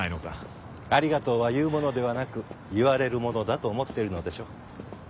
「ありがとう」は言うものではなく言われるものだと思っているのでしょう。